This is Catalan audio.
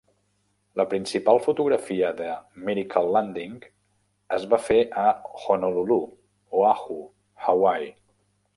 La principal fotografia de "Miracle Landing" es va fer a Honolulu, Oahu, Hawaii.